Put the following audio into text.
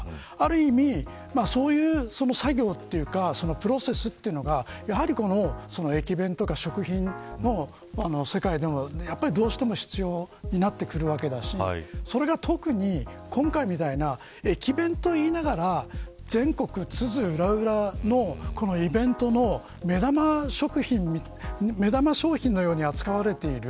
ある意味、そういう作業というかプロセスというのがやはり駅弁とか食品の世界でも、どうしても必要になってくるわけだしそれが、特に今回みたいな駅弁と言いながら全国津々浦々のイベントの目玉商品のように扱われている。